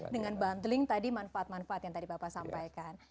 dengan bundling tadi manfaat manfaat yang tadi bapak sampaikan